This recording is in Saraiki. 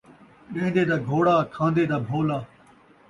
ݙین٘دے دا گھوڑا ، کھان٘دے دا بھولا